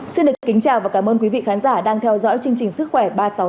xin được kính chào và cảm ơn quý vị khán giả đang theo dõi chương trình sức khỏe ba trăm sáu mươi sáu